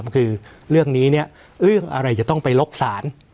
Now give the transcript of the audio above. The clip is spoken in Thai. คือเรื่องนี้เรื่องอะไรจะต้องไปล็อกศาล